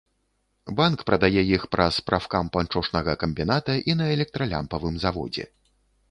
Банк прадае іх праз прафкам панчошнага камбіната і на электралямпавым заводзе.